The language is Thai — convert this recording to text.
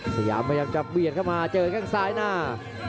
สยามพยายามจะเบียดเข้ามาเจอแข้งซ้ายหน้า